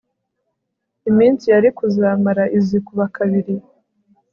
iminsi yari kuzamara izikuba kabiri